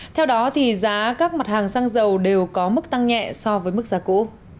theo đó giá các mặt hàng xăng dầu đều có mức tăng nhẹ so với mức giá cũ